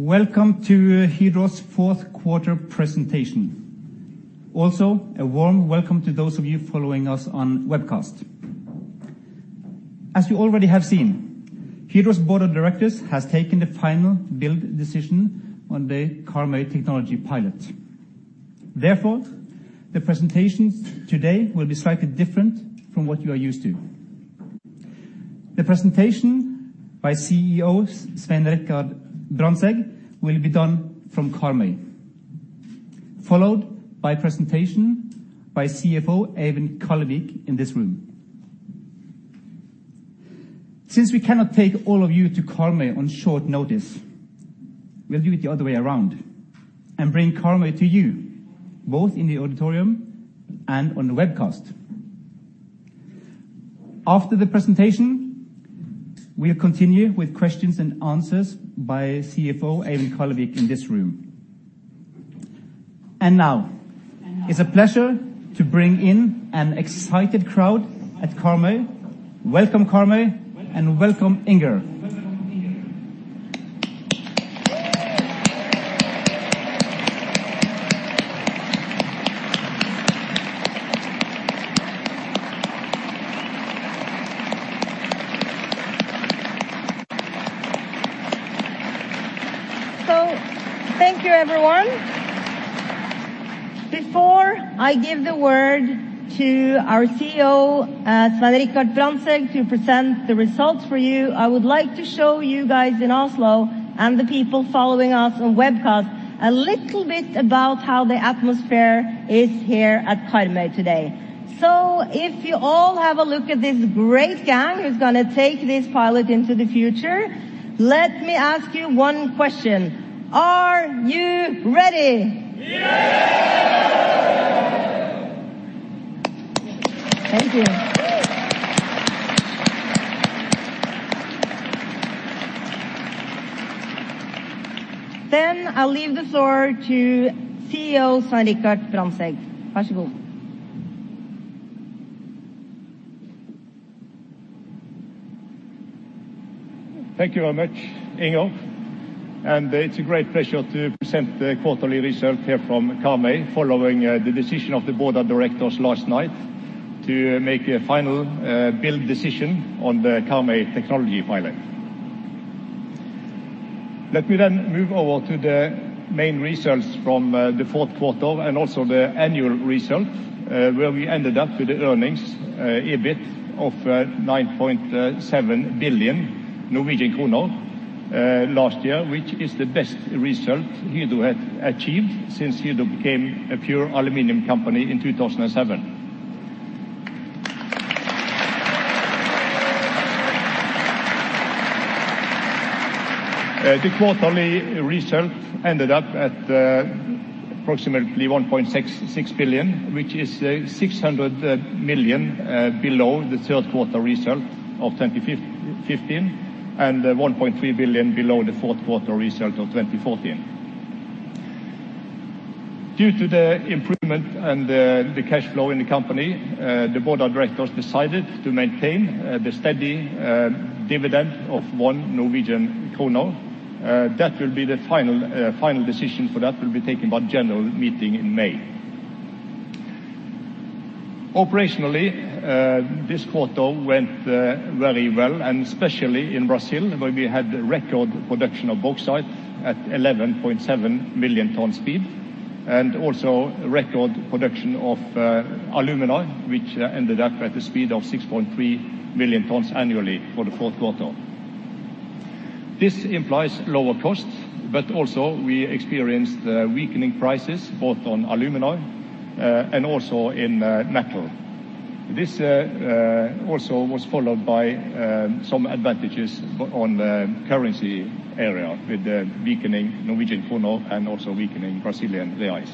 Welcome to Hydro's Q4 Presentation. Also, a w arm welcome to those of you following us on webcast. As you already have seen, Hydro's board of directors has taken the final build decision on the Karmøy technology pilot. Therefore, the presentations today will be slightly different from what you are used to. The presentation by CEO Svein Richard Brandtzæg will be done from Karmøy, followed by a presentation by CFO Eivind Kallevik in this room. Since we cannot take all of you to Karmøy on short notice, we'll do it the other way around and bring Karmøy to you, both in the auditorium and on the webcast. After the presentation, we'll continue with questions and answers by CFO Eivind Kallevik in this room. Now, it's a pleasure to bring in an excited crowd at Karmøy. Welcome, Karmøy, and welcome, Inger. Thank you, everyone. Before I give the word to our CEO, Svein Richard Brandtzæg, to present the results for you, I would like to show you guys in Oslo and the people following us on webcast a little bit about how the atmosphere is here at Karmøy today. If you all have a look at this great gang who's gonna take this pilot into the future, let me ask you one question. Are you ready? Yes Thank you. I'll leave the floor to CEO Svein Richard Brandtzæg. Thank you very much, Inger. It's a great pleasure to present the quarterly results here from Karmøy, following the decision of the board of directors last night to make a final build decision on the Karmøy Technology Pilot. Let me move over to the main results from the Q4 and also the annual result, where we ended up with the earnings EBIT of 9.7 billion Norwegian kroner last year, which is the best result Hydro has achieved since Hydro became a pure aluminum company in 2007. The quarterly result ended up at approximately 1.66 billion, which is 600 million below the Q3 result of 2015, and 1.3 billion below the Q4 result of 2014. Due to the improvement and the cash flow in the company, the board of directors decided to maintain the steady dividend of 1 Norwegian kroner. That will be the final decision for that will be taken by general meeting in May. Operationally, this quarter went very well, and especially in Brazil, where we had record production of bauxite at 11.7 million ton speed, and also record production of alumina, which ended up at the speed of 6.3 million tons annually for the Q4. This implies lower costs, but also we experienced weakening prices both on alumina and also in metal. This also was followed by some advantages on the currency area with the weakening Norwegian kroner and also weakening Brazilian reais.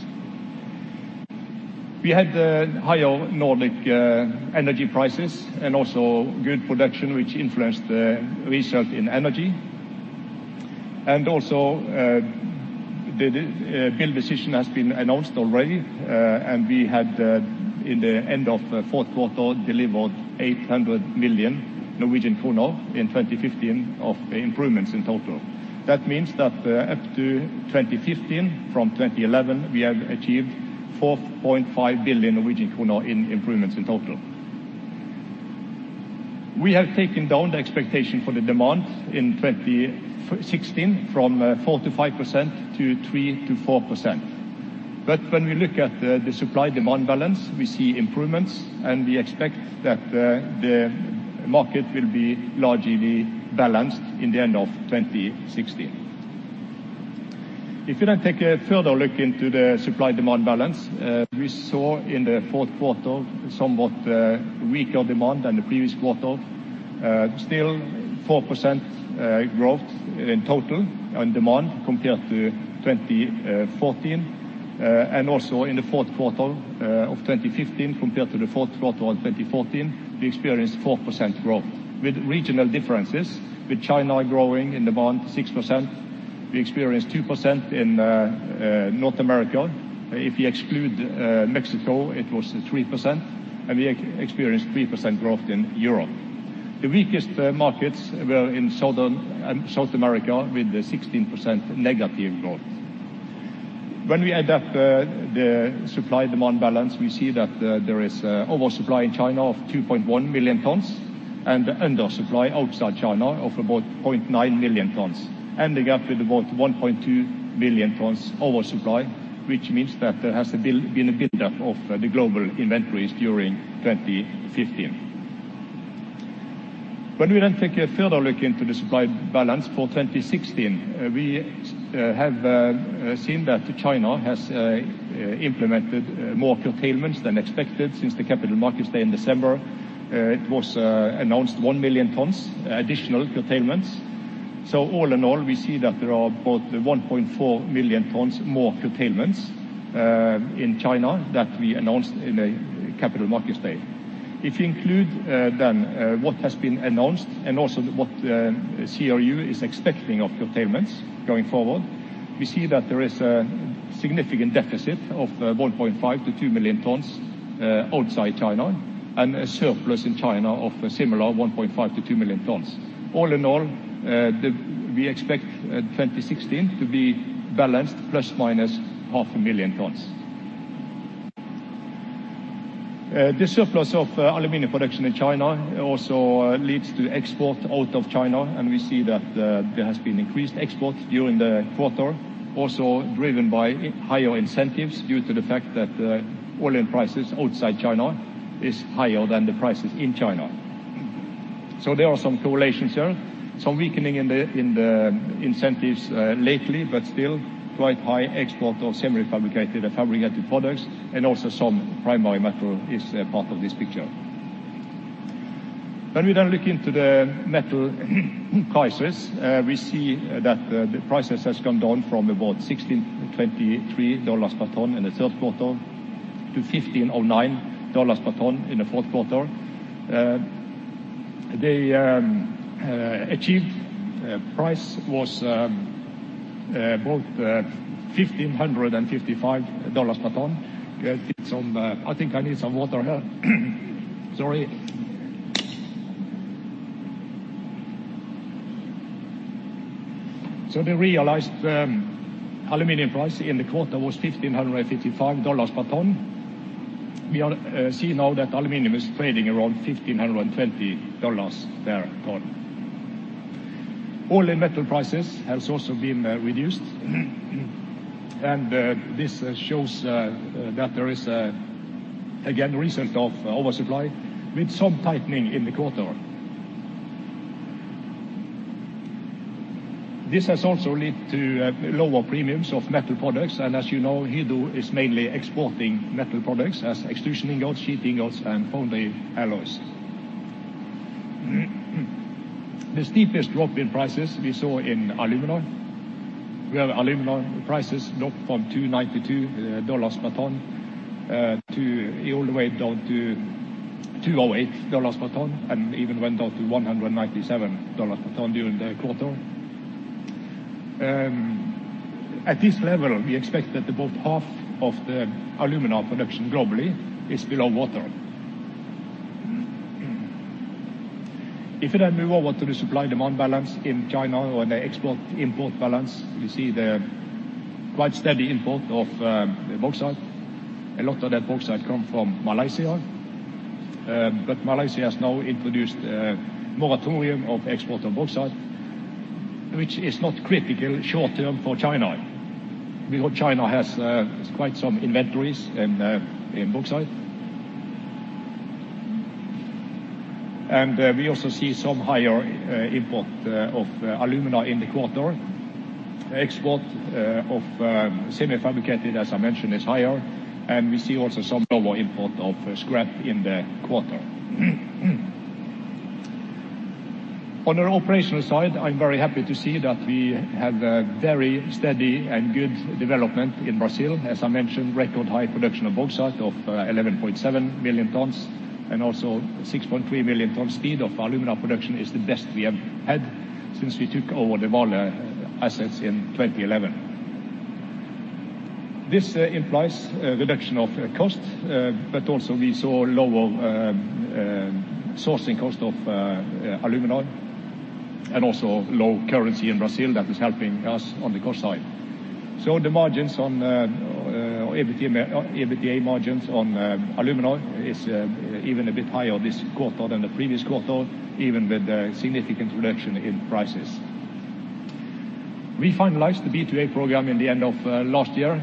We had higher Nordic energy prices and also good production which influenced the result in energy. Also, the build decision has been announced already, and we had, in the end of the fourth quarter, delivered 800 million Norwegian kroner in 2015 of improvements in total. That means that, up to 2015, from 2011, we have achieved 4.5 billion Norwegian krone in improvements in total. We have taken down the expectation for the demand in 2016 from 4%-5% to 3%-4%. When we look at the supply-demand balance, we see improvements, and we expect that the market will be largely balanced in the end of 2016. If you then take a further look into the supply-demand balance, we saw in the fourth quarter somewhat weaker demand than the previous quarter. Still 4% growth in total on demand compared to 2014. Also in the Q4 of 2015, compared to the Q4 of 2014, we experienced 4% growth with regional differences, with China growing in demand 6%. We experienced 2% in North America. If you exclude Mexico, it was 3%, and we experienced 3% growth in Europe. The weakest markets were in Southern South America with a 16% negative growth. When we add up the supply-demand balance, we see that there is oversupply in China of 2.1 million tons and undersupply outside China of about 0.9 million tons, ending up with about 1.2 million tons oversupply, which means that there has been a buildup of the global inventories during 2015. When we then take a further look into the supply balance for 2016, we have seen that China has implemented more curtailments than expected since the Capital Markets Day in December. It was announced 1 million tons additional curtailments. All in all, we see that there are about 1.4 million tons more curtailments in China that we announced in a Capital Markets Day. If you include then what has been announced and also what CRU is expecting of curtailments going forward, we see that there is a significant deficit of 1.5-2 million tons outside China, and a surplus in China of a similar 1.5-2 million tons. All in all, we expect 2016 to be balanced ±0.5 million tons. The surplus of aluminum production in China also leads to export out of China, and we see that there has been increased exports during the quarter, also driven by higher incentives due to the fact that all-in prices outside China is higher than the prices in China. There are some correlations there. Some weakening in the incentives lately, but still quite high export of semi-fabricated and fabricated products, and also some primary metal is a part of this picture. When we then look into the metal prices, we see that the prices has come down from about $1,623 per ton in the Q3 to $1,509 per ton in the Q4. The achieved price was about $1,555 per ton. Get some. I think I need some water here. Sorry. The realized aluminum price in the quarter was $1,555 per ton. We see now that aluminum is trading around $1,520 per ton. All-in metal prices has also been reduced. This shows that there is again result of oversupply with some tightening in the quarter. This has also led to lower premiums of metal products, and as you know, Hydro is mainly exporting metal products as extrusion ingots, sheet ingots, and foundry alloys. The steepest drop in prices we saw in alumina. We have alumina prices drop from $292 per ton to all the way down to $208 per ton, and even went down to $197 per ton during the quarter. At this level, we expect that about half of the alumina production globally is below water. If we then move over to the supply-demand balance in China or the export-import balance, we see quite steady import of bauxite. A lot of that bauxite come from Malaysia, but Malaysia has now introduced a moratorium of export of bauxite, which is not critical short term for China. Because China has quite some inventories in bauxite. We also see some higher import of alumina in the quarter. Export of semi-fabricated, as I mentioned, is higher. We see also some lower import of scrap in the quarter. On the operational side, I'm very happy to see that we have a very steady and good development in Brazil. As I mentioned, record high production of bauxite of 11.7 million tons and also 6.3 million tons of alumina production is the best we have had since we took over the Vale assets in 2011. This implies a reduction of cost, but also we saw lower sourcing cost of alumina and also low currency in Brazil that is helping us on the cost side. The margins on EBITDA margins on alumina is even a bit higher this quarter than the previous quarter, even with a significant reduction in prices. We finalized the B2A program in the end of last year,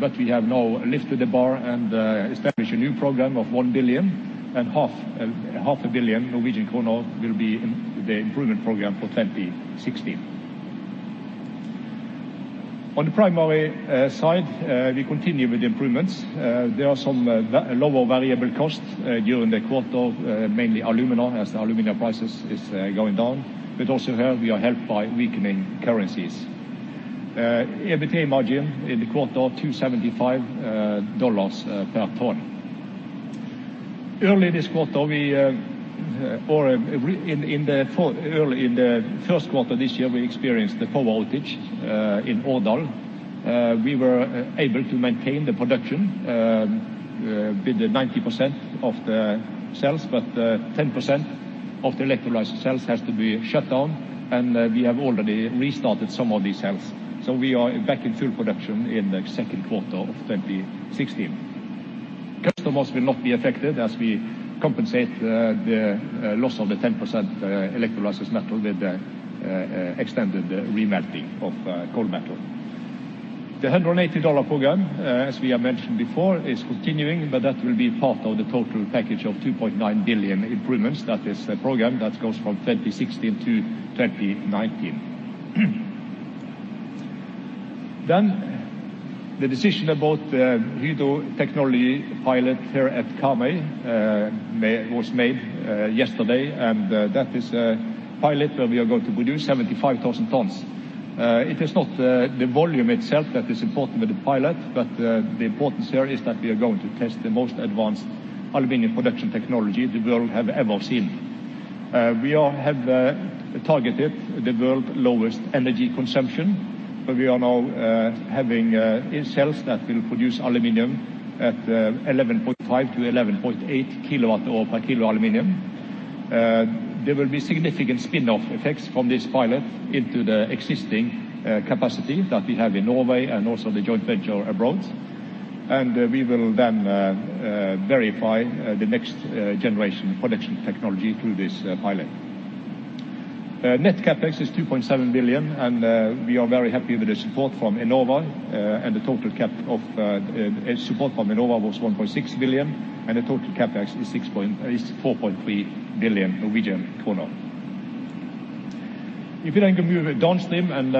but we have now lifted the bar and established a new program of 1 billion and half a billion Norwegian kroner will be the improvement program for 2016. On the Primary side, we continue with the improvements. There are some lower variable costs during the quarter, mainly alumina as the alumina prices is going down, but also here we are helped by weakening currencies. EBITDA margin in the quarter, $275 per ton. Early in the first quarter this year, we experienced a power outage in Årdal. We were able to maintain the production with 90% of the cells, but 10% of the electrolyzer cells has to be shut down, and we have already restarted some of these cells. We are back in full production in the Q2 of 2016. Customers will not be affected as we compensate the loss of the 10% electrolysis metal with the extended remelting of cold metal. The $180 program, as we have mentioned before, is continuing, but that will be part of the total package of $2.9 billion improvements. That is a program that goes from 2016 to 2019. The decision about the Hydro technology pilot here at Karmøy was made yesterday, and that is a pilot where we are going to produce 75,000 tons. It is not the volume itself that is important with the pilot, but the importance here is that we are going to test the most advanced aluminum production technology the world have ever seen. We all have targeted the world's lowest energy consumption, but we are now having cells that will produce aluminum at 11.5-11.8 kWh per kg aluminum. There will be significant spin-off effects from this pilot into the existing capacity that we have in Norway and also the joint venture abroad. We will then verify the next generation production technology through this pilot. Net CapEx is 2.7 billion, and we are very happy with the support from Enova, and the total amount of support from Enova was 1.6 billion, and the total CapEx is 4.3 billion Norwegian kroner. If you then can move downstream and,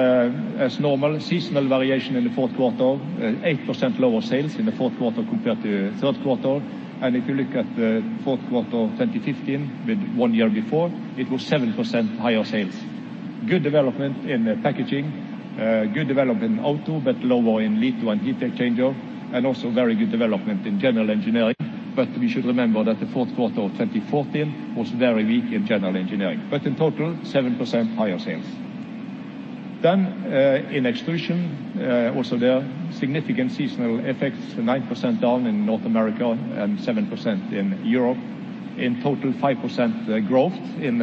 as normal, seasonal variation in the Q4, 8% lower sales in the fourth quarter compared to Q3. If you look at the Q4 of 2015 with one year before, it was 7% higher sales. Good development in packaging. Good development in auto, but lower in litho and heat exchanger, and also very good development in general engineering. We should remember that the Q4 of 2014 was very weak in general engineering. In total, 7% higher sales. In extrusion, also there, significant seasonal effects, 9% down in North America and 7% in Europe. In total, 5% growth in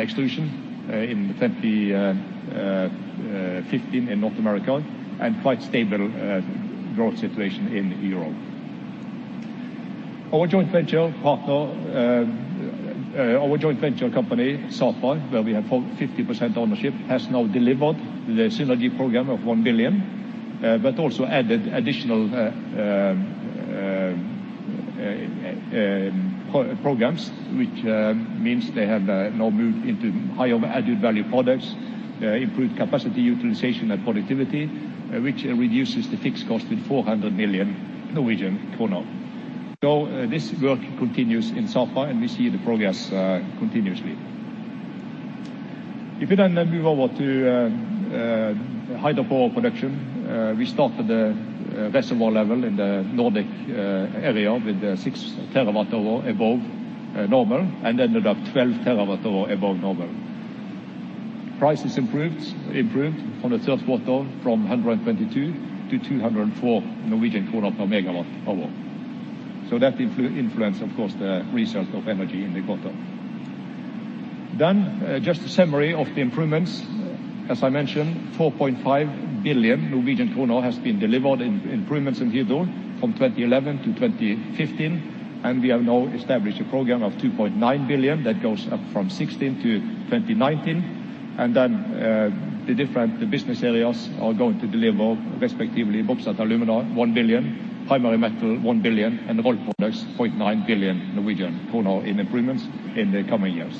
extrusion in 2015 in North America, and quite stable growth situation in Europe. Our joint venture partner, our joint venture company, Sapa, where we have 50% ownership, has now delivered the synergy program of 1 billion, but also added additional programs, which means they have now moved into higher added-value products, improved capacity utilization and productivity, which reduces the fixed cost with 400 million Norwegian kroner. This work continues in Sapa, and we see the progress continuously. If you move over to hydropower production, we started a reservoir level in the Nordic area with 6 TWh above normal and ended up 12 TWh above normal. Prices improved from the third quarter from 122 to 204 per MWh. Influence, of course, the result of energy in the quarter. Just a summary of the improvements. As I mentioned, 4.5 billion Norwegian kroner has been delivered in improvements in Hydro from 2011 to 2015, and we have now established a program of 2.9 billion that goes up from 2016 to 2019. The different business areas are going to deliver respectively, Bauxite & Alumina, 1 billion, Primary Metal, 1 billion, and Rolled Products, 0.9 billion Norwegian kroner in improvements in the coming years.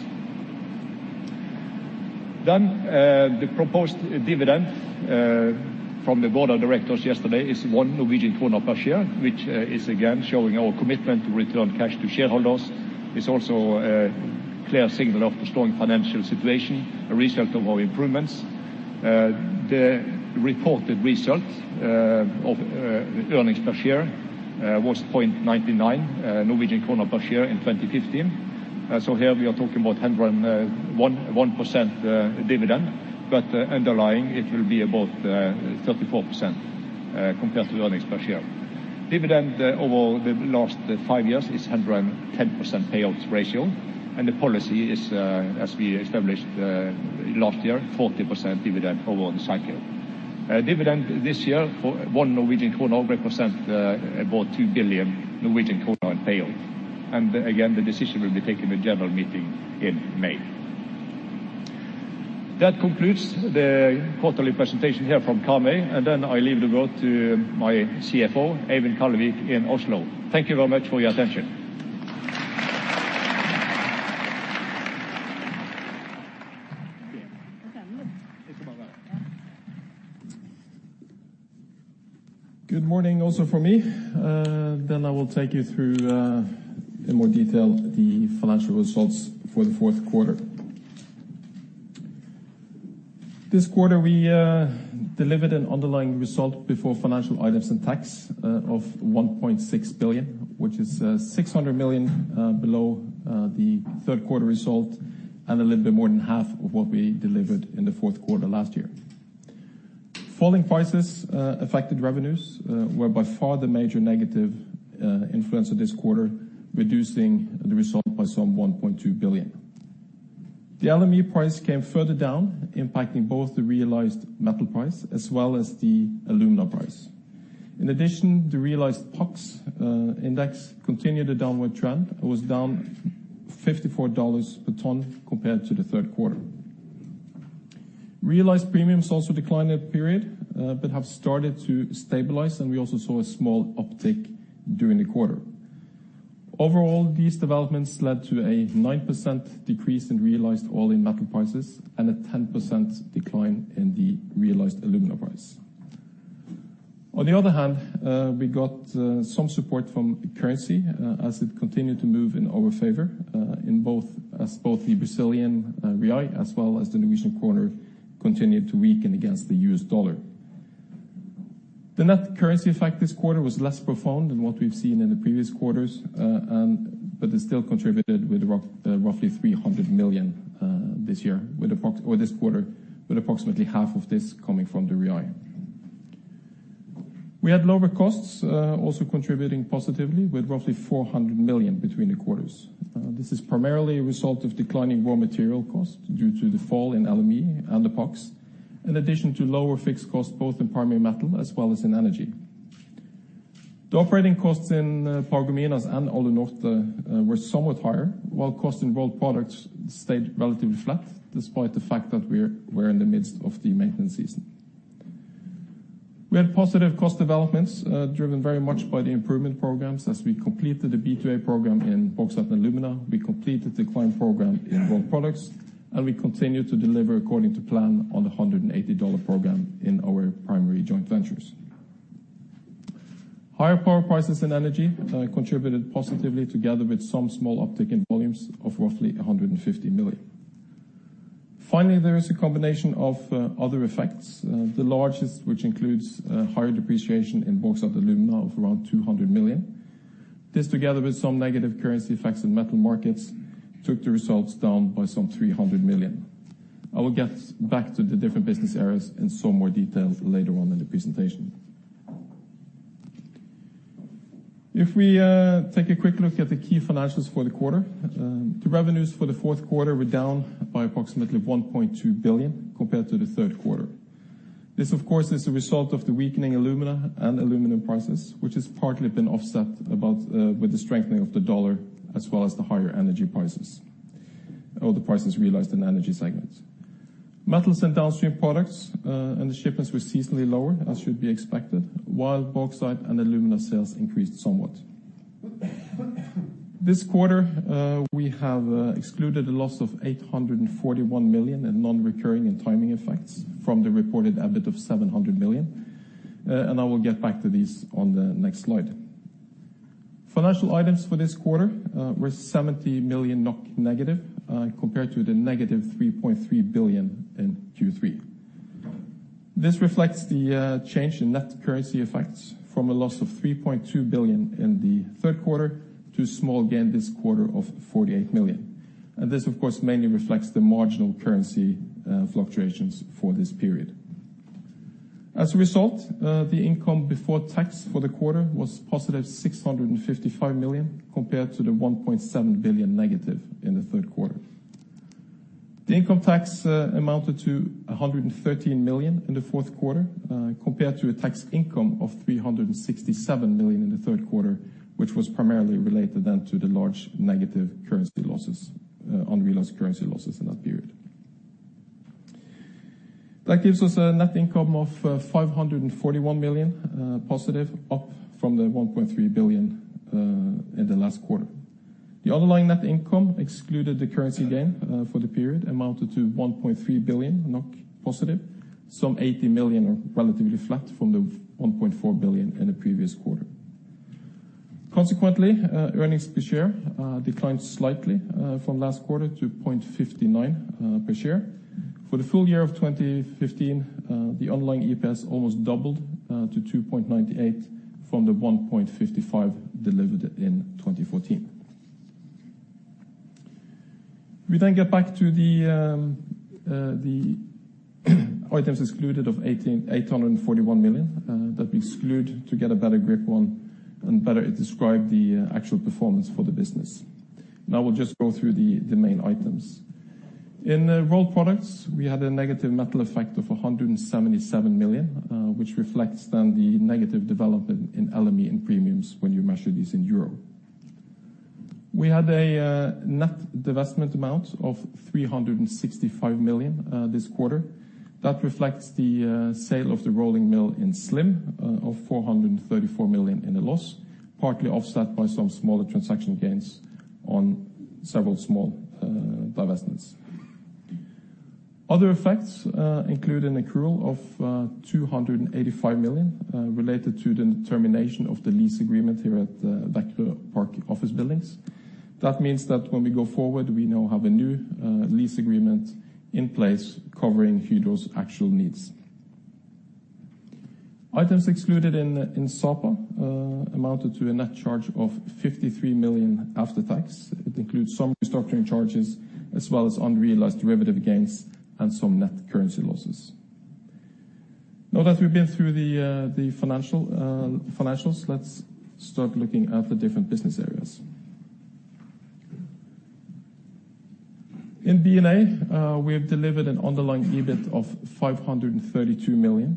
The proposed dividend from the board of directors yesterday is 1 NOK per share, which is again showing our commitment to return cash to shareholders. It's also a clear signal of the strong financial situation, a result of our improvements. The reported result of earnings per share was 0.99 Norwegian kroner per share in 2015. Here we are talking about 101% dividend, but underlying it will be about 34% compared to earnings per share. Dividend over the last five years is 110% payout ratio, and the policy is, as we established last year, 40% dividend over the cycle. Dividend this year for 1 represents about 2 billion in payout. Again, the decision will be taken at the general meeting in May. That concludes the quarterly presentation here from Karmøy, and then I leave the floor to my CFO, Eivind Kallevik, in Oslo. Thank you very much for your attention. Okay. It's about that. Yeah. Good morning also from me. I will take you through in more detail the financial results for theQ4. This quarter, we delivered an underlying result before financial items and tax of 1.6 billion, which is 600 million below the third quarter result and a little bit more than half of what we delivered in the Q4 last year. Falling prices affected revenues were by far the major negative influence of this quarter, reducing the result by some 1.2 billion. The LME price came further down, impacting both the realized metal price as well as the alumina price. In addition, the realized PAX index continued a downward trend and was down $54 per ton compared to the third quarter. Realized premiums also declined that period, but have started to stabilize, and we also saw a small uptick during the quarter. Overall, these developments led to a 9% decrease in realized alumina and metal prices and a 10% decline in the realized alumina price. On the other hand, we got some support from currency as it continued to move in our favor, in both the Brazilian Real as well as the Norwegian Krone continued to weaken against the US dollar. The net currency effect this quarter was less profound than what we've seen in the previous quarters, but this still contributed with roughly 300 million, or this quarter, with approximately half of this coming from the Real. We had lower costs, also contributing positively with roughly 400 million between the quarters. This is primarily a result of declining raw material costs due to the fall in LME and the PAX, in addition to lower fixed costs both in Primary Metal as well as in Energy. The operating costs in Paragominas and Alunorte were somewhat higher, while cost in Rolled Products stayed relatively flat despite the fact that we're in the midst of the maintenance season. We had positive cost developments driven very much by the improvement programs as we completed the B2A program in Bauxite & Alumina, we completed the Climb program in Rolled Products, and we continue to deliver according to plan on the $180 program in our primary joint ventures. Higher power prices and energy contributed positively together with some small uptick in volumes of roughly 150 million. Finally, there is a combination of other effects, the largest which includes higher depreciation in Bauxite & Alumina of around 200 million. This together with some negative currency effects in Metal Markets took the results down by some 300 million. I will get back to the different business areas in some more details later on in the presentation. If we take a quick look at the key financials for the quarter, the revenues for the fourth quarter were down by approximately 1.2 billion compared to the third quarter. This, of course, is a result of the weakening alumina and aluminum prices, which has partly been offset about with the strengthening of the dollar as well as the higher energy prices, or the prices realized in the energy segments. Metals and downstream products and the shipments were seasonally lower, as should be expected, while bauxite and alumina sales increased somewhat. This quarter, we have excluded a loss of 841 million in non-recurring and timing effects from the reported EBIT of 700 million, and I will get back to these on the next slide. Financial items for this quarter were negative 70 million NOK, compared to the negative 3.3 billion in Q3. This reflects the change in net currency effects from a loss of 3.2 billion in the third quarter to a small gain this quarter of 48 million. This, of course, mainly reflects the marginal currency fluctuations for this period. As a result, the income before tax for the quarter was positive 655 million compared to the negative 1.7 billion in the Q3. The income tax amounted to 113 million in the fourth quarter, compared to a tax income of 367 million in the third quarter, which was primarily related then to the large negative currency losses, unrealized currency losses in that period. That gives us a net income of 541 million positive, up from the 1.3 billion in the last quarter. The underlying net income excluded the currency gain for the period amounted to 1.3 billion positive, some 80 million or relatively flat from the 1.4 billion in the previous quarter. Consequently, earnings per share declined slightly from last quarter to 0.59 per share. For the full year of 2015, the underlying EPS almost doubled to 2.98 from the 1.55 delivered in 2014. We get back to the items excluded of 841 million that we exclude to get a better grip on and better describe the actual performance for the business. Now we'll just go through the main items. In Rolled Products, we had a negative metal effect of 177 million, which reflects then the negative development in LME and premiums when you measure this in euro. We had a net divestment amount of 365 million this quarter. That reflects the sale of the rolling mill in Slim of 434 million in the loss, partly offset by some smaller transaction gains on several small divestments. Other effects include an accrual of 285 million related to the termination of the lease agreement here at Vækerø Park office buildings. That means that when we go forward, we now have a new lease agreement in place covering Hydro's actual needs. Items excluded in Sapa amounted to a net charge of 53 million after tax. It includes some restructuring charges as well as unrealized derivative gains and some net currency losses. Now that we've been through the financials, let's start looking at the different business areas. In BNA, we have delivered an underlying EBIT of 532 million,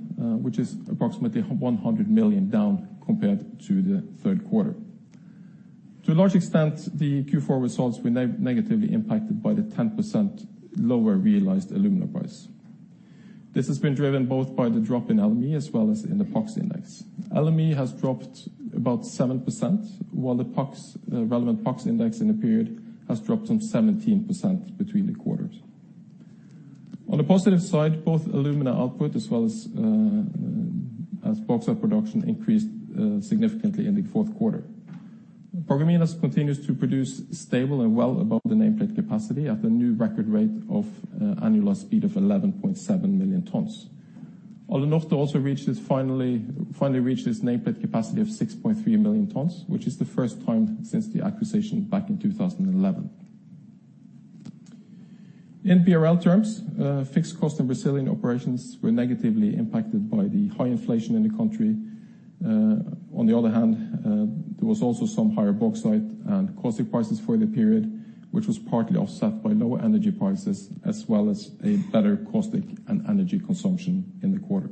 which is approximately 100 million down compared to the Q3. To a large extent, the Q4 results were negatively impacted by the 10% lower realized alumina price. This has been driven both by the drop in LME as well as in the PAX index. LME has dropped about 7%, while the PAX, relevant PAX index in the period has dropped some 17% between the quarters. On the positive side, both alumina output as well as bauxite production increased significantly in the fourth quarter. Paragominas continues to produce stable and well above the nameplate capacity at the new record rate of annual speed of 11.7 million tons. Alunorte also finally reached its nameplate capacity of 6.3 million tons, which is the first time since the acquisition back in 2011. In BRL terms, fixed cost in Brazilian operations were negatively impacted by the high inflation in the country. On the other hand, there was also some higher bauxite and caustic prices for the period, which was partly offset by lower energy prices as well as a better caustic and energy consumption in the quarter.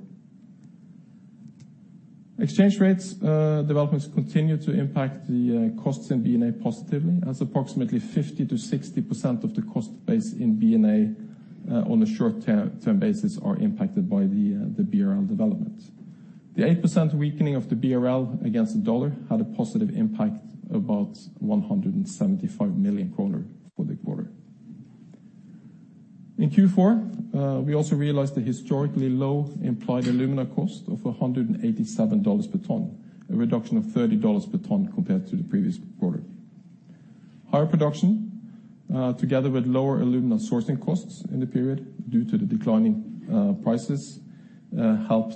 Exchange rates developments continue to impact the costs in BNA positively as approximately 50%-60% of the cost base in BNA on a short term basis are impacted by the BRL development. The 8% weakening of the BRL against the dollar had a positive impact about 175 million kroner for the quarter. In Q4, we also realized the historically low implied alumina cost of $187 per ton, a reduction of $30 per ton compared to the previous quarter. Higher production, together with lower alumina sourcing costs in the period due to the declining prices, helped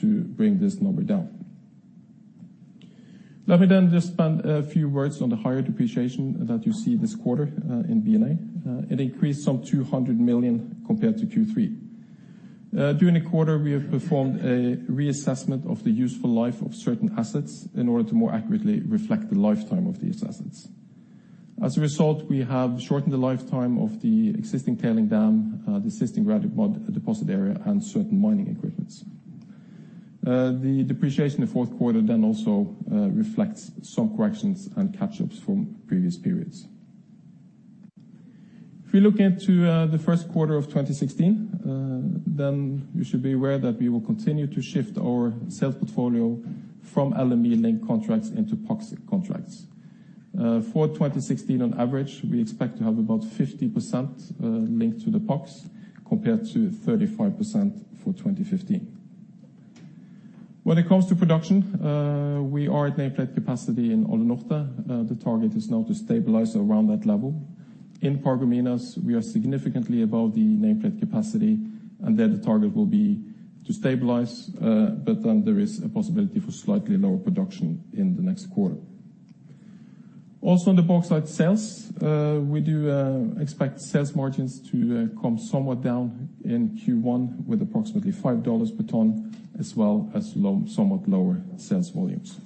to bring this number down. Let me just spend a few words on the higher depreciation that you see this quarter, in BNA. It increased some 200 million compared to Q3. During the quarter, we have performed a reassessment of the useful life of certain assets in order to more accurately reflect the lifetime of these assets. As a result, we have shortened the lifetime of the existing tailings dam, the existing red mud deposit area and certain mining equipment. The depreciation in the Q4 then also reflects some corrections and catch-ups from previous periods. If we look into the Q1 of 2016, then you should be aware that we will continue to shift our sales portfolio from LME-linked contracts into PAX contracts. For 2016 on average, we expect to have about 50% linked to the PAX compared to 35% for 2015. When it comes to production, we are at nameplate capacity in Alunorte. The target is now to stabilize around that level. In Paragominas, we are significantly above the nameplate capacity, and there the target will be to stabilize, but then there is a possibility for slightly lower production in the next quarter. Also, in the bauxite sales, we do expect sales margins to come somewhat down in Q1 with approximately $5 per ton as well as somewhat lower sales volumes.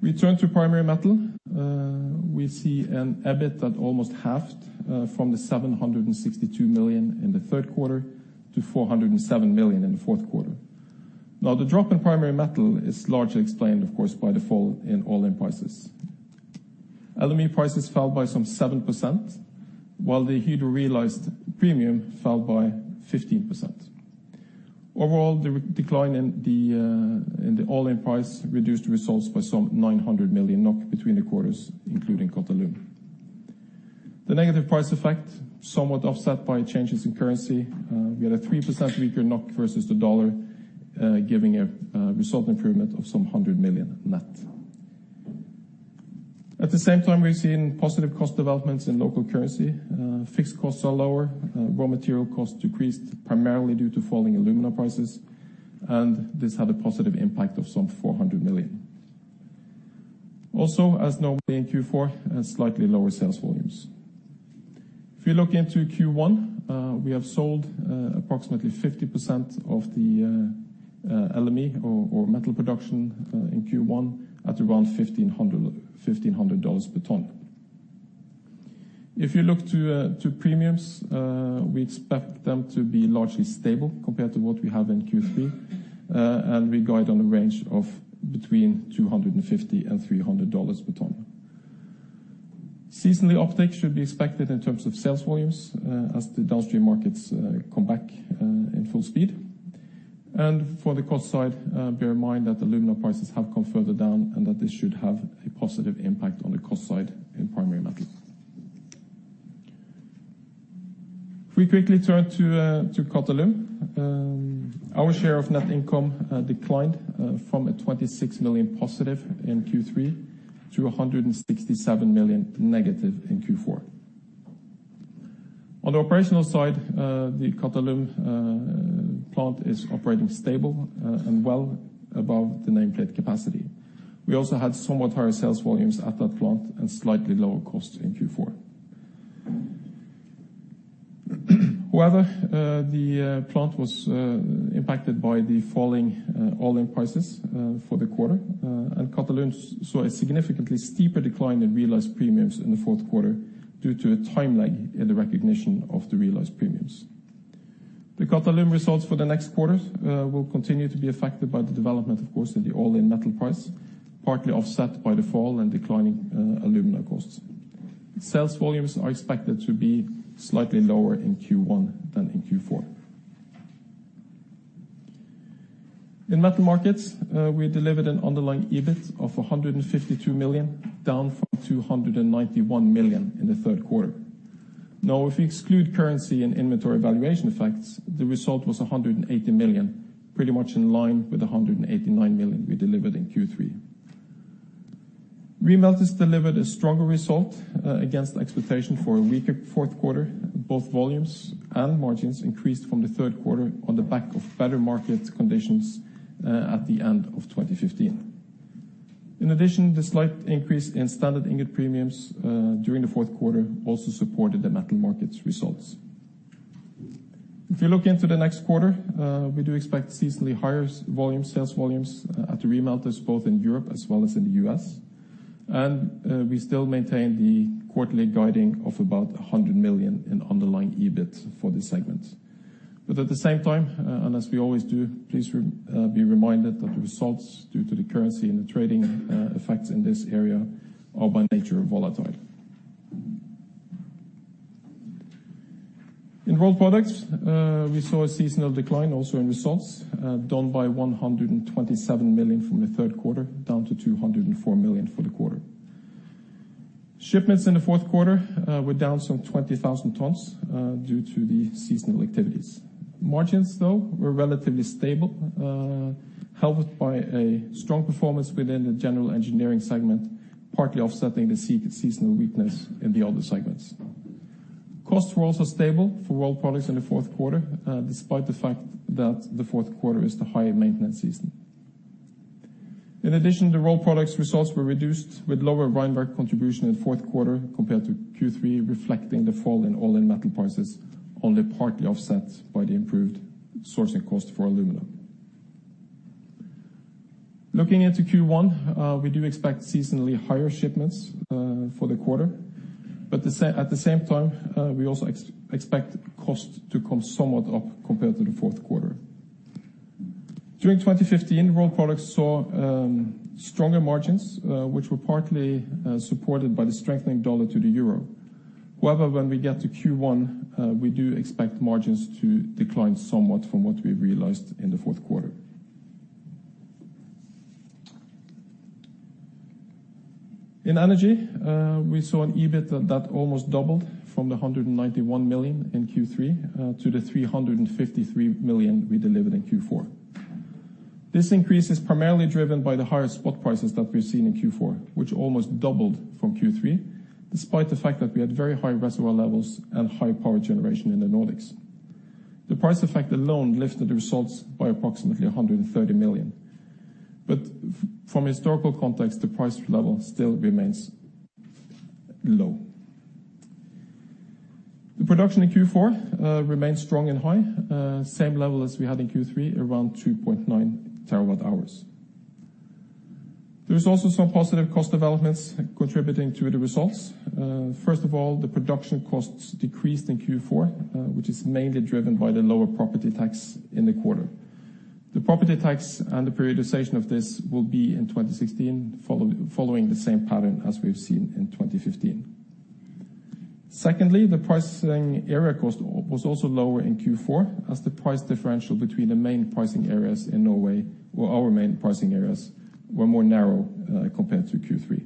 We turn to Primary Metal. We see an EBIT that almost halved from the 762 million in the third quarter to 407 million in the fourth quarter. Now the drop in Primary Metal is largely explained, of course, by the fall in all-in prices. LME prices fell by some 7%, while the average realized premium fell by 15%. Overall, the decline in the all-in price reduced results by some 900 million between the quarters, including Qatalum. The negative price effect somewhat offset by changes in currency. We had a 3% weaker NOK versus the dollar, giving a result improvement of some 100 million net. At the same time, we've seen positive cost developments in local currency. Fixed costs are lower, raw material costs decreased primarily due to falling alumina prices, and this had a positive impact of some 400 million. Also, as normally in Q4, slightly lower sales volumes. If you look into Q1, we have sold approximately 50% of the LME or metal production in Q1 at around $1,500 per ton. If you look to premiums, we expect them to be largely stable compared to what we have in Q3. We guide on a range of between $250 and $300 per ton. Seasonally uptake should be expected in terms of sales volumes, as the downstream markets come back in full speed. For the cost side, bear in mind that aluminum prices have come further down and that this should have a positive impact on the cost side in Primary Metal. If we quickly turn to Qatalum, our share of net income declined from 26 million positive in Q3 to 167 million negative in Q4. On the operational side, the Qatalum plant is operating stable and well above the nameplate capacity. We also had somewhat higher sales volumes at that plant and slightly lower cost in Q4. However, the plant was impacted by the falling all-in prices for the quarter. Qatalum saw a significantly steeper decline in realized premiums in the fourth quarter due to a time lag in the recognition of the realized premiums. The Qatalum results for the next quarters will continue to be affected by the development, of course, of the all-in metal price, partly offset by the falling and declining alumina costs. Sales volumes are expected to be slightly lower in Q1 than in Q4. In Metal Markets, we delivered an underlying EBIT of $152 million, down from $291 million in the Q3. Now, if we exclude currency and inventory valuation effects, the result was $180 million, pretty much in line with the $189 million we delivered in Q3. Remelters delivered a stronger result against expectations for a weaker Q4. Both volumes and margins increased from the third quarter on the back of better market conditions at the end of 2015. In addition, the slight increase in standard ingot premiums during the Q4 also supported the Metal Markets results. If you look into the next quarter, we do expect seasonally higher volume, sales volumes at the remelters, both in Europe as well as in the U.S. We still maintain the quarterly guiding of about $100 million in underlying EBIT for this segment. At the same time, and as we always do, please be reminded that the results, due to the currency and the trading effects in this area, are by nature volatile. In Rolled Products, we saw a seasonal decline also in results, down by $127 million from the Q3, down to $204 million for the quarter. Shipments in the fourth quarter were down some 20,000 tons due to the seasonal activities. Margins, though, were relatively stable, helped by a strong performance within the general engineering segment, partly offsetting the seasonal weakness in the other segments. Costs were also stable for Rolled Products in the Q4, despite the fact that the Q4 is the higher maintenance season. In addition, the Rolled Products results were reduced with lower Rheinwerk contribution in the fourth quarter compared to Q3, reflecting the fall in all-in metal prices, only partly offset by the improved sourcing cost for aluminum. Looking into Q1, we do expect seasonally higher shipments for the quarter. At the same time, we also expect cost to come somewhat up compared to the Q4. During 2015, Rolled Products saw stronger margins, which were partly supported by the strengthening dollar to the euro. However, when we get to Q1, we do expect margins to decline somewhat from what we realized in the fourth quarter. In Energy, we saw an EBIT that almost doubled from the $191 million in Q3 to the $353 million we delivered in Q4. This increase is primarily driven by the higher spot prices that we've seen in Q4, which almost doubled from Q3, despite the fact that we had very high reservoir levels and high power generation in the Nordics. The price effect alone lifted the results by approximately $130 million. From a historical context, the price level still remains low. The production in Q4 remained strong and high, same level as we had in Q3, around 2.9 TWh. There was also some positive cost developments contributing to the results. First of all, the production costs decreased in Q4, which is mainly driven by the lower property tax in the quarter. The property tax and the periodization of this will be in 2016, following the same pattern as we've seen in 2015. Secondly, the pricing area cost was also lower in Q4, as the price differential between the main pricing areas in Norway, or our main pricing areas, were more narrow, compared to Q3.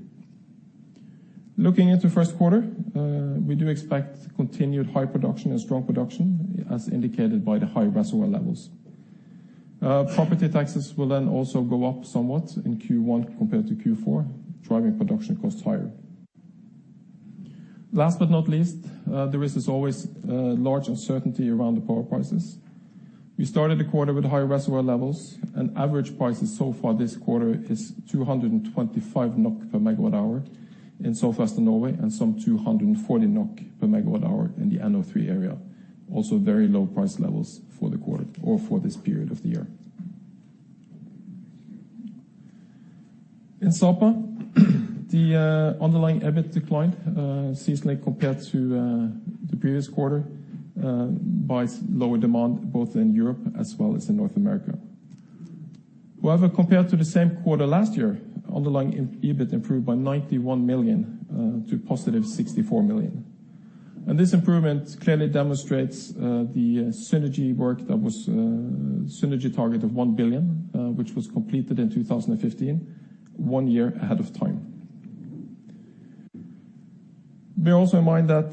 Looking into Q1, we do expect continued high production and strong production, as indicated by the high reservoir levels. Property taxes will then also go up somewhat in Q1 compared to Q4, driving production costs higher. Last but not least, there is as always large uncertainty around the power prices. We started the quarter with high reservoir levels, and average prices so far this quarter is 225 NOK per MWh in Southwestern Norway, and some 240 NOK per MWh in the NO3 area. Also very low price levels for the quarter or for this period of the year. In Sapa, the underlying EBIT declined seasonally compared to the previous quarter by lower demand, both in Europe as well as in North America. However, compared to the same quarter last year, underlying EBIT improved by $91 million to positive $64 million. This improvement clearly demonstrates the synergy work that was the synergy target of 1 billion, which was completed in 2015, one year ahead of time. Bear also in mind that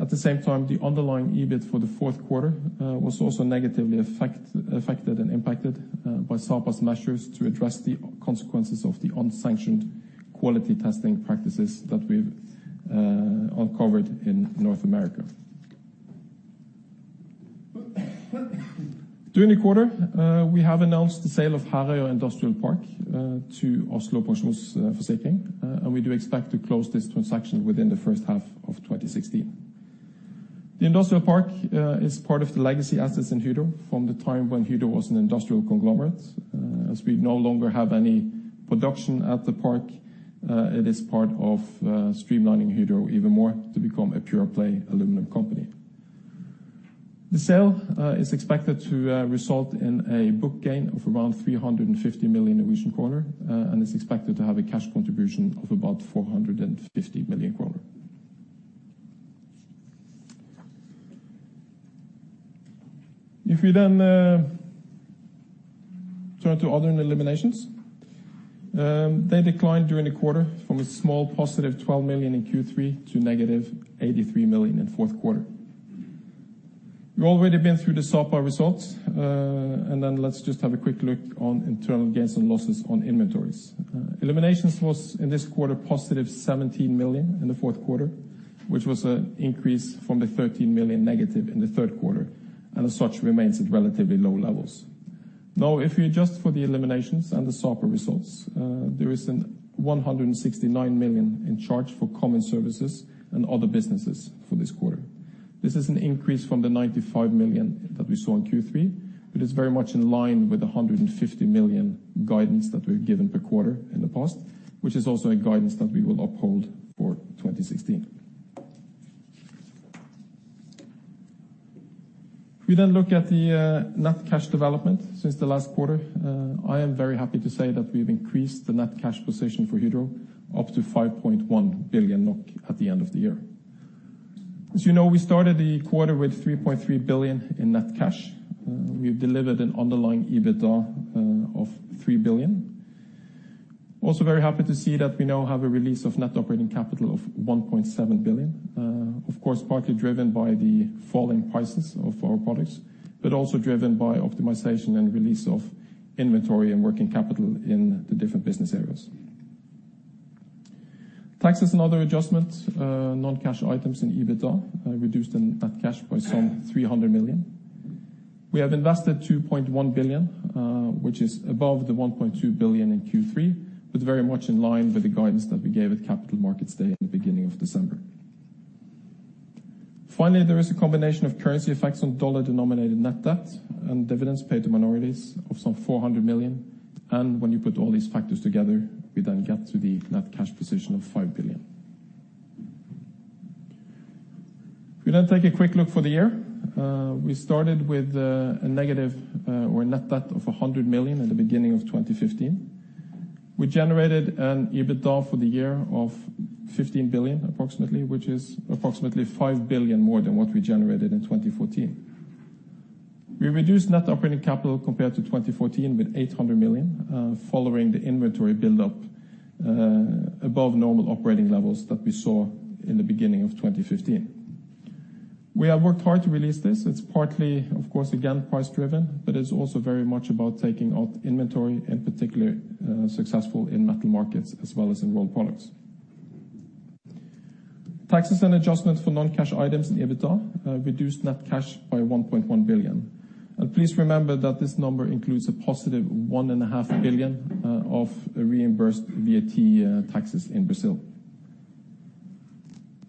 at the same time, the underlying EBIT for the fourth quarter was also negatively affected and impacted by Sapa's measures to address the consequences of the unsanctioned quality testing practices that we've uncovered in North America. During the quarter, we have announced the sale of Herøya Industrial Park to Oslo Pensjonsforsikring, and we do expect to close this transaction within the first half of 2016. The industrial park is part of the legacy assets in Hydro from the time when Hydro was an industrial conglomerate. As we no longer have any production at the park, it is part of streamlining Hydro even more to become a pure play aluminum company. The sale is expected to result in a book gain of around 350 million Norwegian kroner, and is expected to have a cash contribution of about 450 million kroner. If we turn to other eliminations, they declined during the quarter from a small positive 12 million in Q3 to negative 83 million in fourth quarter. We've already been through the Sapa results, and then let's just have a quick look on internal gains and losses on inventories. Eliminations was, in this quarter, positive 17 million in the Q4, which was an increase from the 13 million negative in theQ3, and as such remains at relatively low levels. Now, if you adjust for the eliminations and the Sapa results, there is a 169 million charge for common services and other businesses for this quarter. This is an increase from the 95 million that we saw in Q3, but it's very much in line with the 150 million guidance that we've given per quarter in the past, which is also a guidance that we will uphold for 2016. We look at the net cash development since the last quarter. I am very happy to say that we've increased the net cash position for Hydro up to 5.1 billion NOK at the end of the year. As you know, we started the quarter with 3.3 billion in net cash. We've delivered an underlying EBITDA of 3 billion. Also very happy to see that we now have a release of net operating capital of 1.7 billion, of course, partly driven by the falling prices of our products, but also driven by optimization and release of inventory and working capital in the different business areas. Taxes and other adjustments, non-cash items in EBITDA, reduced in that cash by some 300 million. We have invested 2.1 billion, which is above the 1.2 billion in Q3, but very much in line with the guidance that we gave at Capital Markets Day at the beginning of December. Finally, there is a combination of currency effects on dollar-denominated net debt and dividends paid to minorities of some 400 million. When you put all these factors together, we then get to the net cash position of 5 billion. We then take a quick look for the year. We started with a negative net debt of 100 million at the beginning of 2015. We generated an EBITDA for the year of 15 billion, approximately, which is approximately 5 billion more than what we generated in 2014. We reduced net operating capital compared to 2014 with 800 million, following the inventory build-up above normal operating levels that we saw in the beginning of 2015. We have worked hard to release this. It's partly, of course, again, price driven, but it's also very much about taking out inventory, in particular, successful in Metal Markets as well as in Rolled Products. Taxes and adjustments for non-cash items in EBITDA reduced net cash by 1.1 billion. Please remember that this number includes a positive 1.5 billion of reimbursed VAT taxes in Brazil.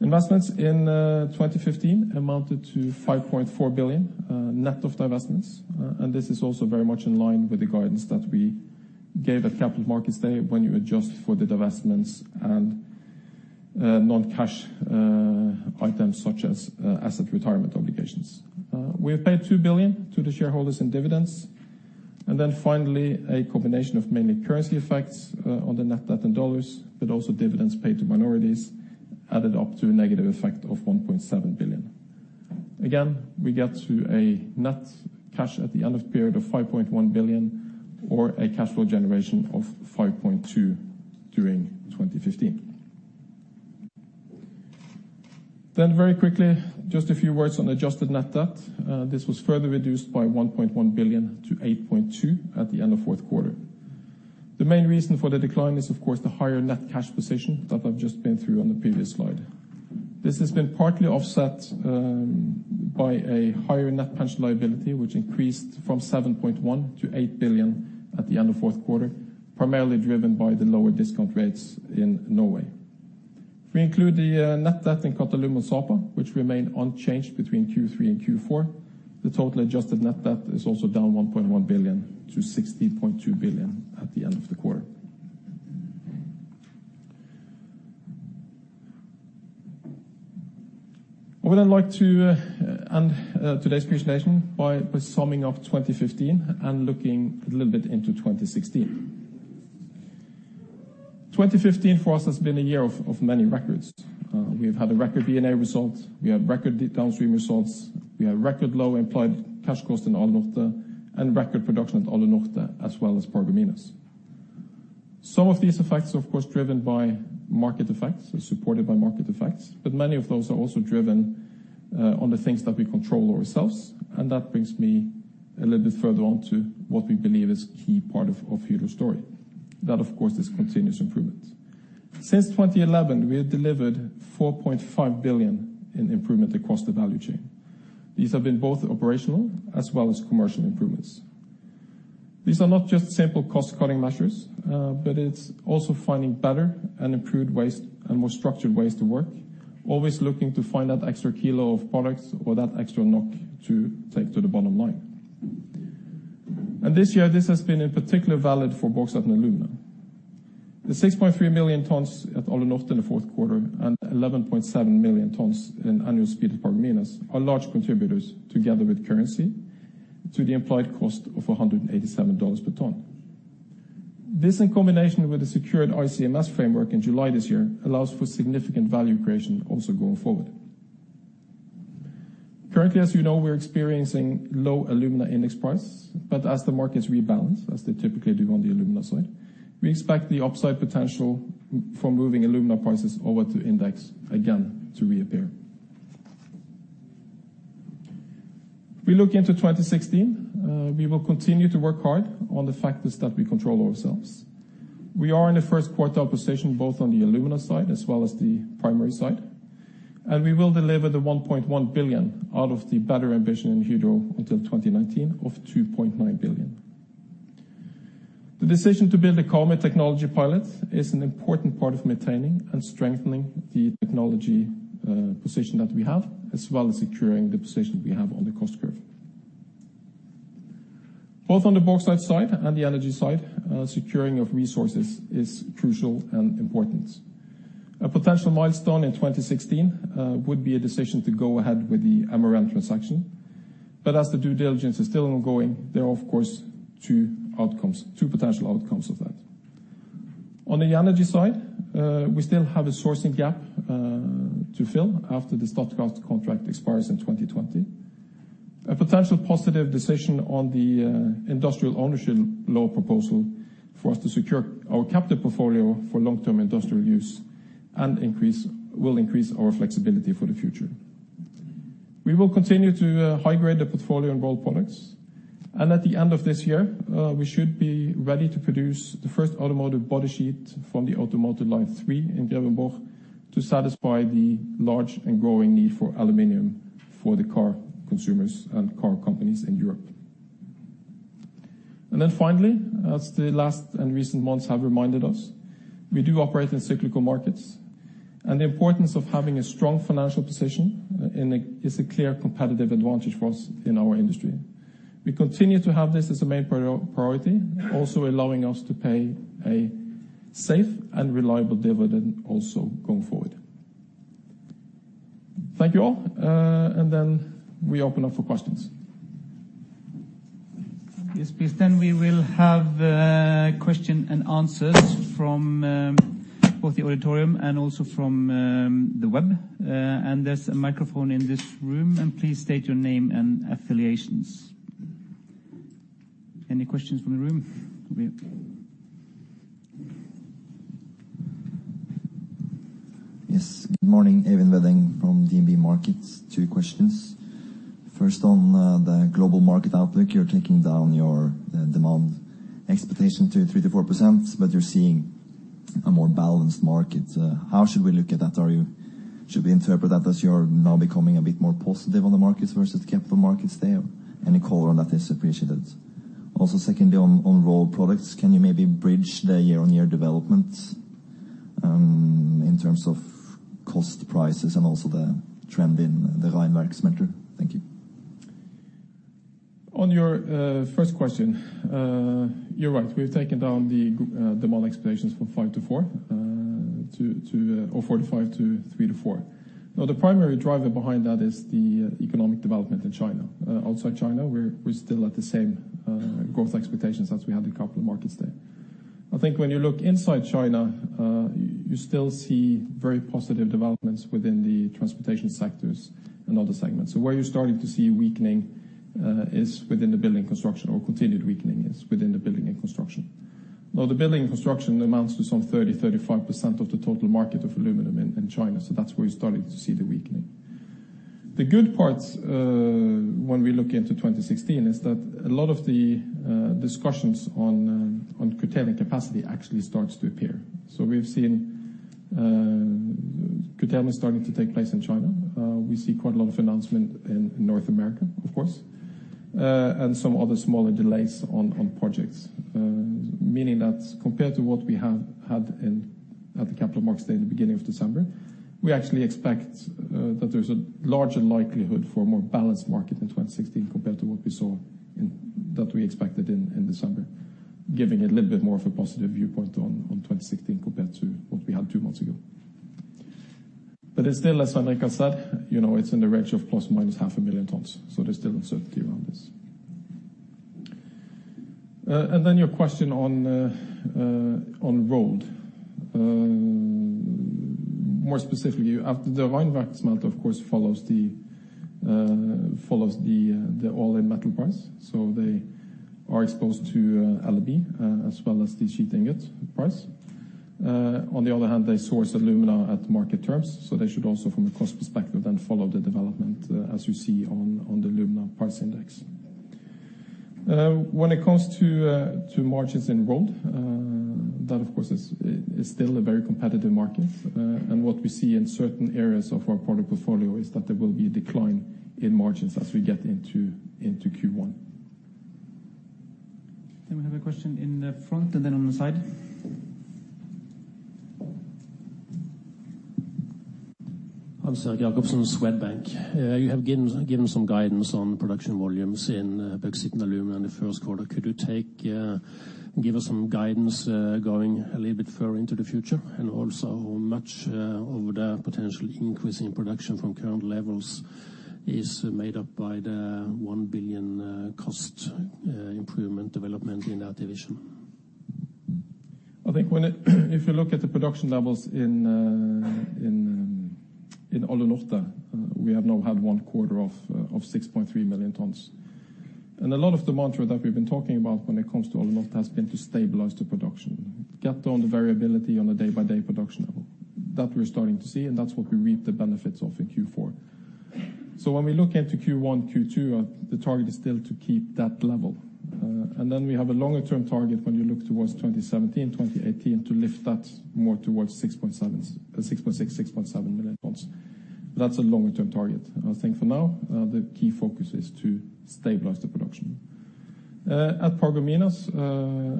Investments in 2015 amounted to 5.4 billion, net of divestments, and this is also very much in line with the guidance that we gave at Capital Markets Day when you adjust for the divestments and non-cash items such as asset retirement obligations. We have paid 2 billion to the shareholders in dividends. Finally, a combination of mainly currency effects on the net debt in dollars, but also dividends paid to minorities added up to a negative effect of 1.7 billion. Again, we get to a net cash at the end of period of 5.1 billion or a cash flow generation of 5.2 billion during 2015. Very quickly, just a few words on adjusted net debt. This was further reduced by 1.1 billion to 8.2 billion at the end of fourth quarter. The main reason for the decline is of course the higher net cash position that I've just been through on the previous slide. This has been partly offset by a higher net pension liability, which increased from 7.1 billion to 8 billion at the end of fourth quarter, primarily driven by the lower discount rates in Norway. If we include the net debt in Qatalum and Sapa, which remain unchanged between Q3 and Q4, the total adjusted net debt is also down 1.1 billion to 16.2 billion at the end of the quarter. I would then like to end today's presentation by summing up 2015 and looking a little bit into 2016. 2015 for us has been a year of many records. We've had a record B&A result. We had record downstream results. We had record low implied cash costs in Alunorte and record production at Alunorte as well as Paragominas. Some of these effects, of course, driven by market effects, or supported by market effects, but many of those are also driven on the things that we control ourselves. That brings me a little bit further on to what we believe is key part of Hydro story. That, of course, is continuous improvement. Since 2011, we have delivered 4.5 billion in improvement across the value chain. These have been both operational as well as commercial improvements. These are not just simple cost-cutting measures, but it's also finding better and improved ways, and more structured ways to work, always looking to find that extra kilo of products or that extra knock to take to the bottom line. This year this has been in particular valid for bauxite and alumina. The 63 million tons at Alunorte in the fourth quarter and 11.7 million tons in annual speed at Paragominas are large contributors together with currency to the implied cost of $187 per ton. This, in combination with the secured ICMS framework in July this year, allows for significant value creation also going forward. Currently, as you know, we're experiencing low alumina index prices, but as the markets rebalance, as they typically do on the alumina side, we expect the upside potential for moving alumina prices over to index again to reappear. We look into 2016, we will continue to work hard on the factors that we control ourselves. We are in the first quartile position, both on the alumina side as well as the primary side, and we will deliver the 1.1 billion out of the Better Ambition in Hydro until 2019 of 2.9 billion. The decision to build a Karmøy technology pilot is an important part of maintaining and strengthening the technology position that we have, as well as securing the position we have on the cost curve. Both on the bauxite side and the energy side, securing of resources is crucial and important. A potential milestone in 2016 would be a decision to go ahead with the MRN transaction, but as the due diligence is still ongoing, there are of course two outcomes, two potential outcomes of that. On the energy side, we still have a sourcing gap to fill after the Statkraft contract expires in 2020. A potential positive decision on the industrial ownership law proposal for us to secure our capital portfolio for long-term industrial use and will increase our flexibility for the future. We will continue to high-grade the portfolio in Rolled Products, and at the end of this year, we should be ready to produce the first automotive body sheet from the Automotive Line three in Grevenbroich to satisfy the large and growing need for aluminum for the car consumers and car companies in Europe. Then finally, as the last and recent months have reminded us, we do operate in cyclical markets, and the importance of having a strong financial position in a is a clear competitive advantage for us in our industry. We continue to have this as a main priority, also allowing us to pay a safe and reliable dividend also going forward. Thank you, all. We open up for questions. Yes, please. We will have question and answers from both the auditorium and also from the web. There's a microphone in this room, and please state your name and affiliations. Any questions from the room? Over here. Yes. Good morning, Even Vatne from DNB Markets. Two questions. First, on the global market outlook, you're taking down your demand expectation to 3%-4%, but you're seeing a more balanced market. How should we look at that? Should we interpret that as you're now becoming a bit more positive on the markets versus Capital Markets Day? Any color on that is appreciated. Also, secondly, on Rolled Products, can you maybe bridge the year-on-year development in terms of cost prices and also the trend in the Rheinwerk segment? Thank you. On your first question, you're right, we've taken down the demand expectations from 5% to 4%, or 4%-5% to 3%-4%. The primary driver behind that is the economic development in China. Outside China, we're still at the same growth expectations as we had in the Capital Markets Day. I think when you look inside China, you still see very positive developments within the transportation sectors and other segments. Where you're starting to see weakening is within the building construction or continued weakening is within the building and construction. Now, the building and construction amounts to some 35% of the total market of aluminum in China, so that's where you're starting to see the weakening. The good parts, when we look into 2016, is that a lot of the discussions on curtailing capacity actually starts to appear. We've seen curtailment starting to take place in China. We see quite a lot of announcement in North America, of course, and some other smaller delays on projects. Meaning that compared to what we have had at the Capital Markets Day at the beginning of December, we actually expect that there's a larger likelihood for a more balanced market in 2016 compared to what we expected in December, giving it a little bit more of a positive viewpoint on 2016 compared to what we had two months ago. It's still, as Svein Richard Brandtzæg has said, you know, it's in the range of ±500,000 tons, so there's still uncertainty around this. Then your question on rolled. More specifically, after the mine. We have a question in the front, and then on the side. Hans-Erik Jacobsen, Swedbank. You have given some guidance on production volumes in bauxite and alumina in the first quarter. Could you give us some guidance going a little bit further into the future? Also, how much of the potential increase in production from current levels is made up by the 1 billion cost improvement development in that division? If you look at the production levels in Alunorte, we have now had one quarter of 6.3 million tons. A lot of the mantra that we've been talking about when it comes to Alunorte has been to stabilize the production. Get down the variability on a day-by-day production level. That we're starting to see, and that's what we reap the benefits of in Q4. When we look into Q1, Q2, the target is still to keep that level. Then we have a longer-term target when you look towards 2017, 2018 to lift that more towards 6.7, 6.6.7 million tons. That's a longer-term target. I think for now, the key focus is to stabilize the production. At Paragominas,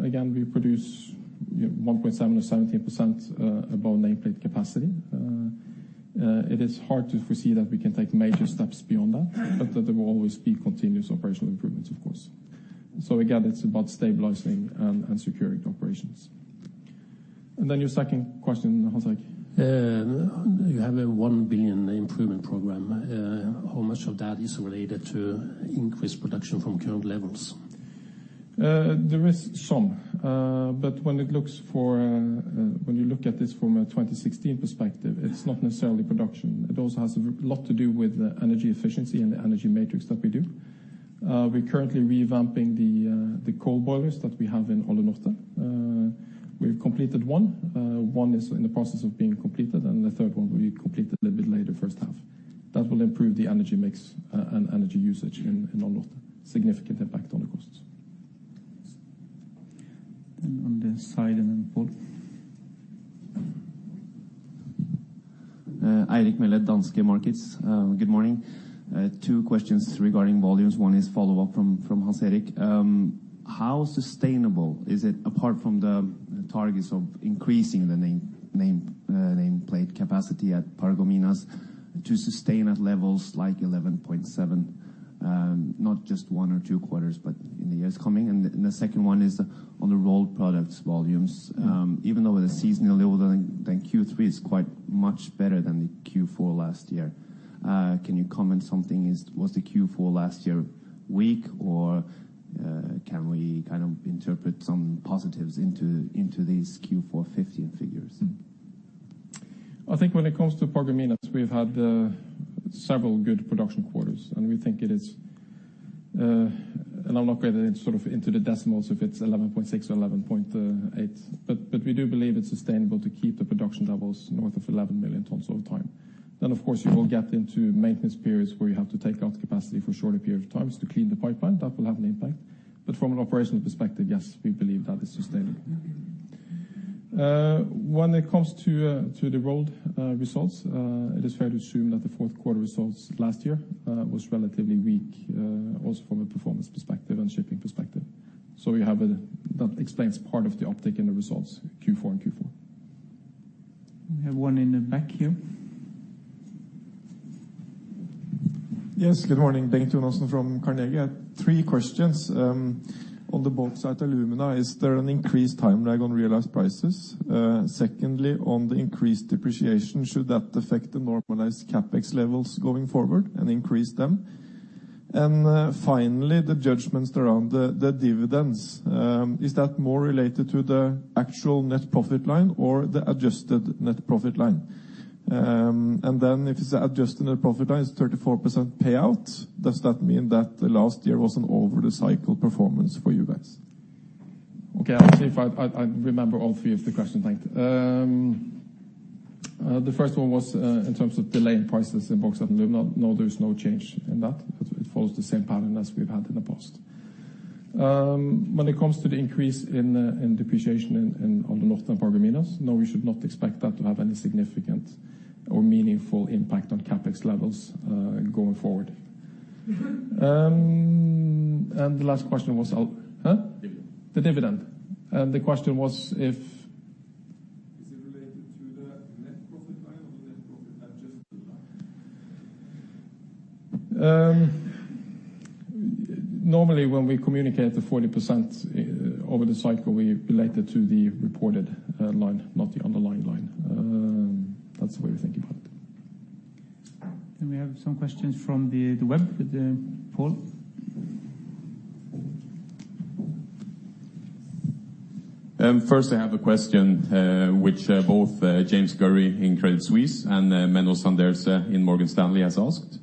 again, we produce, you know, 1.7 or 17% above nameplate capacity. It is hard to foresee that we can take major steps beyond that, but there will always be continuous operational improvements, of course. Again, it's about stabilizing and securing operations. Then your second question, Hans-Erik? You have a 1 billion improvement program. How much of that is related to increased production from current levels? There is some, but when you look at this from a 2016 perspective, it's not necessarily production. It also has a lot to do with energy efficiency and the energy matrix that we do. We're currently revamping the coal boilers that we have in Alunorte. We've completed one is in the process of being completed, and the third one will be completed a little bit later first half. That will improve the energy mix and energy usage in Alunorte, significant impact on the costs. On this side, and then Paul. Eirik Melle, Danske Markets. Good morning. Two questions regarding volumes. One is follow-up from Hans-Erik Jacobsen. How sustainable is it, apart from the targets of increasing the nameplate capacity at Paragominas to sustain at levels like 11.7, not just one or two quarters, but in the years coming? The second one is on the Rolled Products volumes. Even though the seasonality level than Q3 is quite much better than the Q4 last year, can you comment something? Was the Q4 last year weak, or can we kind of interpret some positives into these Q4 2015 figures? I think when it comes to Paragominas, we've had several good production quarters, and we think it is. I'm not getting sort of into the decimals if it's 11.6 or 11.8. But we do believe it's sustainable to keep the production levels north of 11 million tons over time. Of course, you will get into maintenance periods where you have to take out capacity for shorter periods of times to clean the pipeline. That will have an impact. From an operational perspective, yes, we believe that is sustainable. When it comes to the rolled results, it is fair to assume that the fourth quarter results last year was relatively weak, also from a performance perspective and shipping perspective. That explains part of the uptick in the results Q4. We have one in the back here. Yes. Good morning. Bengt Jonassen from Carnegie. I have three questions. On the bauxite alumina, is there an increased time lag on realized prices? Secondly, on the increased depreciation, should that affect the normalized CapEx levels going forward and increase them? Finally, the judgments around the dividends, is that more related to the actual net profit line or the adjusted net profit line? If it's adjusted net profit line, it's 34% payout. Does that mean that the last year was an over the cycle performance for you guys? Okay. I'll see if I remember all three of the questions. Thank you. The first one was in terms of delay in prices in bauxite and alumina. No, there's no change in that. It follows the same pattern as we've had in the past. When it comes to the increase in depreciation in Alunorte and Paragominas, no, we should not expect that to have any significant or meaningful impact on CapEx levels going forward. The last question was, huh? Dividend. The dividend. The question was if Is it related to the net profit line or the net profit adjusted line? Normally, when we communicate the 40% over the cycle, we relate it to the reported line, not the underlying line. That's the way we think about it. We have some questions from the web with Paul. First I have a question, which both James Gurry in Credit Suisse and Menno Sanderse in Morgan Stanley has asked.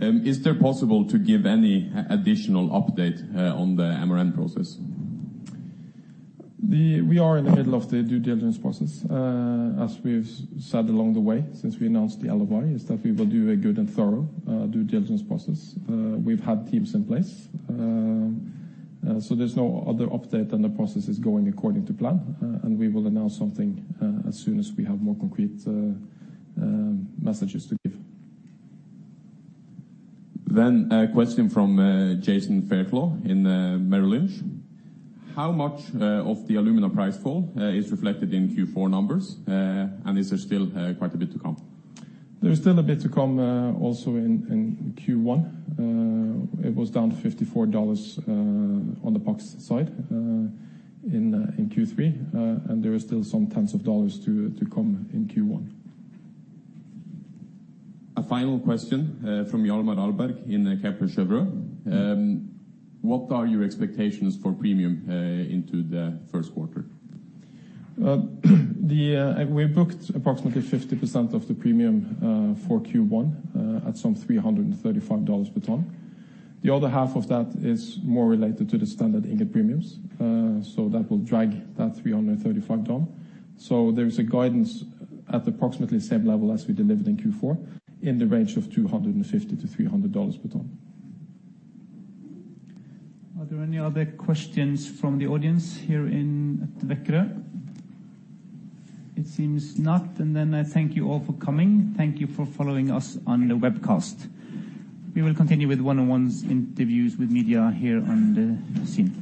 Is it possible to give any additional update on the MRN process? We are in the middle of the due diligence process. As we've said along the way since we announced the LOI, is that we will do a good and thorough due diligence process. We've had teams in place. There's no other update and the process is going according to plan, and we will announce something, as soon as we have more concrete messages to give. A question from Jason Fairclough in Merrill Lynch. How much of the alumina price fall is reflected in Q4 numbers? Is there still quite a bit to come? There is still a bit to come, also in Q1. It was down to $54 on the plus side in Q3. There are still some tens of dollars to come in Q1. A final question from Hjalmar Ahlberg in Kepler Cheuvreux. What are your expectations for premium into the first quarter? We booked approximately 50% of the premium for Q1 at some $335 per ton. The other half of that is more related to the standard ingot premiums. That will drag that $335 down. There is a guidance at approximately the same level as we delivered in Q4, in the range of $250-$300 per ton. Are there any other questions from the audience here in Vækerø? It seems not. I thank you all for coming. Thank you for following us on the webcast. We will continue with one-on-ones interviews with media here on the scene.